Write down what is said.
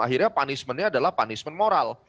akhirnya punishmentnya adalah punishment moral